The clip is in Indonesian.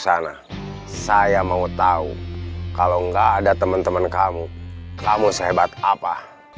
sana saya mau tahu kalau enggak ada teman teman kamu kamu sehebat apa